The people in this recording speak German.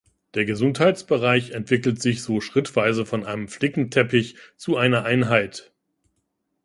Der Gesundheitsbereich entwickelt sich so schrittweise von einem Flickenteppich zu einer Einheit.